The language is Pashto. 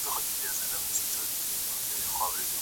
جهاني به له دېوان سره وي تللی